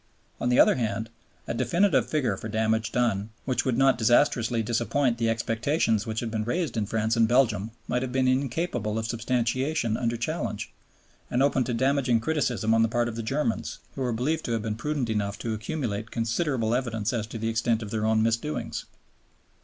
On the other hand, a definitive figure for damage done which would not disastrously disappoint the expectations which had been raised in France and Belgium might have been incapable of substantiation under challenge, and open to damaging criticism on the part of the Germans, who were believed to have been prudent enough to accumulate considerable evidence as to the extent of their own misdoings.